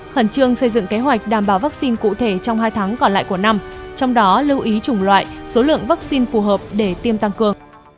khẩn trương xây dựng kế hoạch đảm bảo vaccine cụ thể trong hai tháng còn lại của năm trong đó lưu ý chủng loại số lượng vaccine phù hợp để tiêm tăng cường